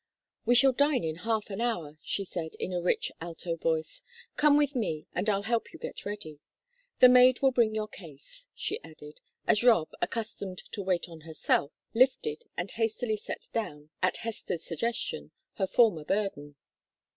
"We shall dine in half an hour," she said, in a rich alto voice. "Come with me, and I'll help you get ready. The maid will bring your case," she added, as Rob, accustomed to wait on herself, lifted and hastily set down, at Hester's suggestion, her former burden.